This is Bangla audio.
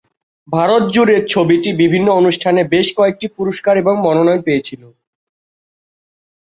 ভারত জুড়ে ছবিটি বিভিন্ন অনুষ্ঠানে বেশ কয়েকটি পুরস্কার এবং মনোনয়ন পেয়েছিল।